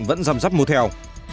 vẫn rằm rắp mua theo